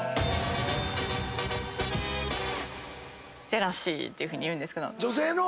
ジェラシーっていうふうに言うんですけど。